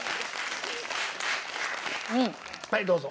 はいどうぞ。